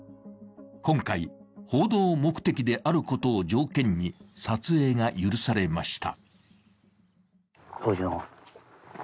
今回、報道目的であることを条件に撮影が許されました。